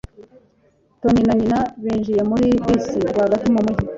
Tony na nyina binjiye muri bisi rwagati mu mujyi.